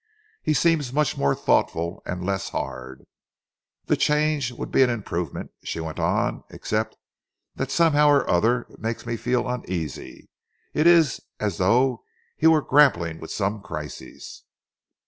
He seems much more thoughtful and less hard. The change would be an improvement," she went on, "except that somehow or other it makes me feel uneasy. It is as though he were grappling with some crisis."